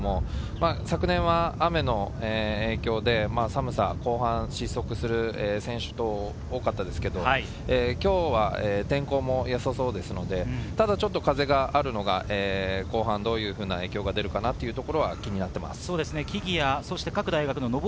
昨年は雨の影響で寒さ、後半失速する選手が多かったんですけれど、今日は天候も良さそうですので、ただちょっと風があるのが後半どういう影響が出るかなというところが気になっています。